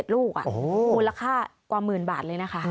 ลูกมูลค่ากว่าหมื่นบาทเลยนะคะ